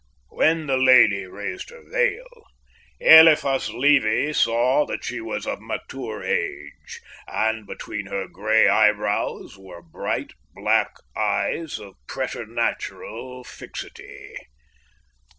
When the lady raised her veil, Eliphas Levi saw that she was of mature age; and beneath her grey eyebrows were bright black eyes of preternatural fixity."